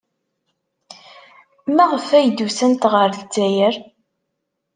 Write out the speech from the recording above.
Maɣef ay d-usant ɣer Lezzayer?